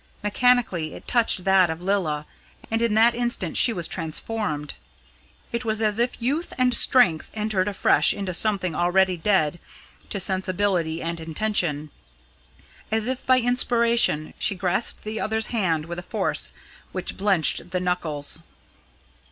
Mechanically it touched that of Lilla, and in that instant she was transformed. It was as if youth and strength entered afresh into something already dead to sensibility and intention. As if by inspiration, she grasped the other's band with a force which blenched the knuckles.